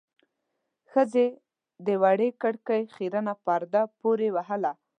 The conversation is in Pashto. ښځې د وړې کړکۍ خيرنه پرده پورې وهله.